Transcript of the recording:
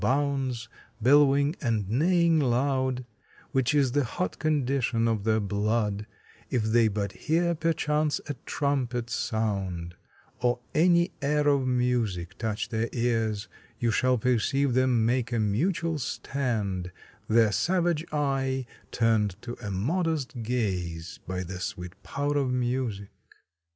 bounds, bellowing, and neighing loud, Which is the hot condition of their blood If they but hear perchance a trumpet sound, Or any air of music touch their ears, You shall perceive them make a mutual stand, Their savage eye turned to a modest gaze By the sweet power of music.